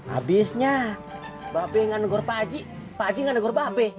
abisnya mbak be gak negur pak aji pak aji gak negur mbak be